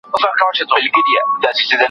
د سياست ژبه تر عادي ژبي متفاوته ده.